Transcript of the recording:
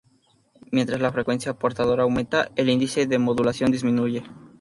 Mientras la frecuencia portadora aumenta, el índice de modulación disminuye.